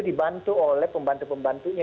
dibantu oleh pembantu pembantunya